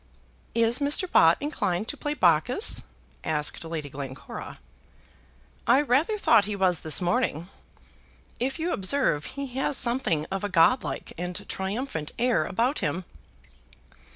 "Is Mr. Bott inclined to play Bacchus?" asked Lady Glencora. "I rather thought he was this morning. If you observe, he has something of a godlike and triumphant air about him."